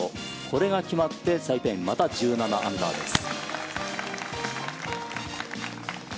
これが決まってサイ・ペイインまた１７アンダーです。